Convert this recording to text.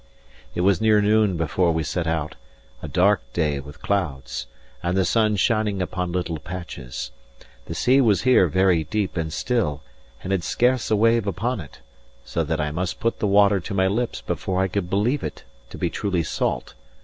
It was near noon before we set out; a dark day with clouds, and the sun shining upon little patches. The sea was here very deep and still, and had scarce a wave upon it; so that I must put the water to my lips before I could believe it to be truly salt.